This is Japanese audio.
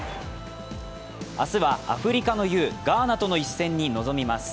明日はアフリカの雄・ガーナとの一戦に臨みます。